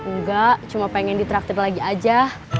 enggak cuma pengen ditraktir lagi aja